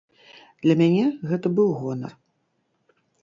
Для мяне гэта быў гонар.